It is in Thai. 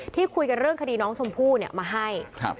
ที่คุยกันเรื่องคดีน้องชมพู่เนี่ยมาให้